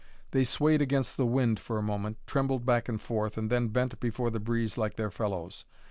They swayed against the wind for a moment, trembled back and forth, and then bent before the breeze like their fellows.